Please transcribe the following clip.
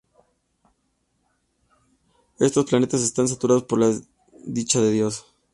Estos planetas están saturados por la dicha de Dios.